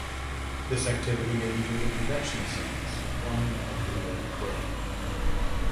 This activity may be due to convection cells forming at the cooler equator.